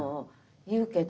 言うけど。